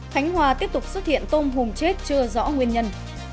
khánh hòa tiếp tục xuất hiện tôm hùm chết chưa rõ nguyên nhân